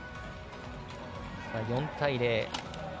４対０。